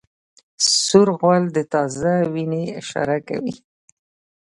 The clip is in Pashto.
سور غول د تازه وینې اشاره کوي.